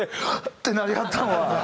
ってなりはったんは。